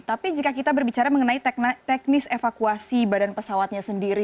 tapi jika kita berbicara mengenai teknis evakuasi badan pesawatnya sendiri